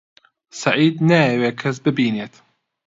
سەعید نایەوێت کەس ببینێت.